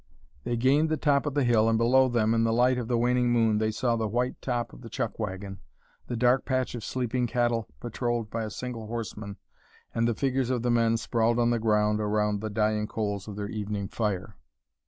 They gained the top of the hill and below them, in the light of the waning moon, they saw the white top of the chuck wagon, the dark patch of sleeping cattle patrolled by a single horseman, and the figures of the men sprawled on the ground around the dying coals of their evening fire.